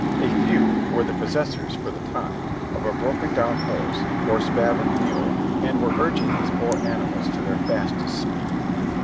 A few were the pos sessors, for the time, of a broken down horse or spavined mule and were urging these poor animals to their fastest speed.